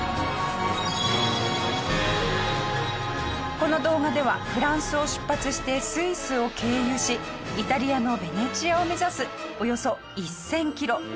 この動画ではフランスを出発してスイスを経由しイタリアのベネチアを目指すおよそ１０００キロ１泊２日の旅。